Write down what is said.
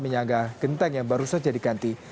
menyanggah genteng yang baru saja diganti